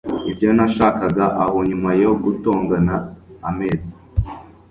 ibyo nashakaga aho nyuma yo gutongana amezi